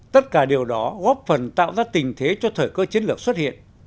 tất cả điều đó góp phần tạo ra tình thế cho thời cơ chiến lược xuất hiện